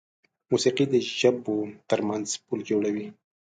موسیقي د ژبو تر منځ پل جوړوي.